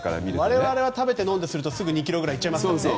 我々は食べて、飲んでするとすぐ２ｋｇくらいいっちゃいますからね。